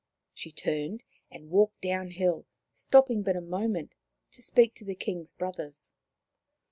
She turned and walked down hill, stopping but a moment to speak to the King's brothers.